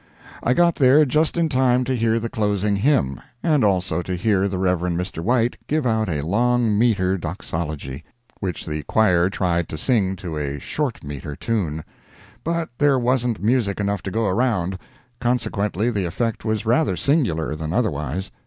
I got there just in time to hear the closing hymn, and also to hear the Rev. Mr. White give out a long metre doxology, which the choir tried to sing to a short metre tune. But there wasn't music enough to go around: consequently, the effect was rather singular, than otherwise.